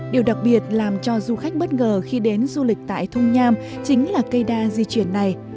điều đặc biệt làm cho du khách bất ngờ khi đến du lịch tại thung nham chính là cây đa di chuyển này